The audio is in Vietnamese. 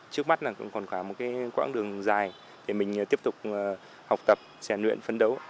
trước mắt là còn có một cái quãng đường dài để mình tiếp tục học tập xen luyện phấn đấu